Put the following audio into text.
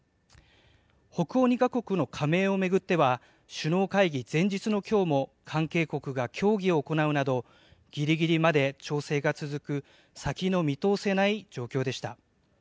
北欧２か国の加盟を巡っては、首脳会議前日のきょうも、関係国が協議を行うなど、ぎりぎりまで調整が続く、先の見通せない状況でした。